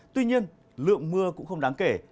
tuy nhiên lượng mưa cũng không đáng kể